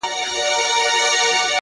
o شاعره ياره ستا قربان سمه زه؛